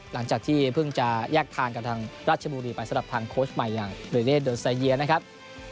หลังจากที่เพิ่งจะแยกทางกับทางราชบุรีไปสำหรับทางโค้ชใหม่อย่างเรเน่เดอร์ไซเยียนะครับ